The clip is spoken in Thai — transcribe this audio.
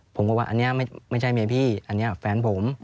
ผมก็ว่าอันนี้ไม่ใช่เมียพี่อันนี้แฟนผม